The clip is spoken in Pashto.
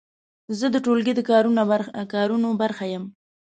زه د ټولګي د کارونو برخه یم.